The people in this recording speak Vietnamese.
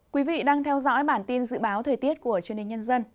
quý vị đang theo dõi bản tin dự báo thời tiết của truyền hình nhân dân